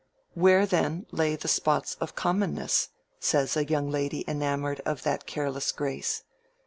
Where then lay the spots of commonness? says a young lady enamoured of that careless grace.